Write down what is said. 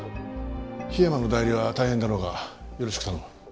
桧山の代理は大変だろうがよろしく頼む。